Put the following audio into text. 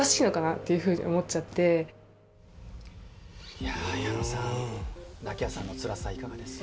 いや矢野さん菜希亜さんのつらさいかがです？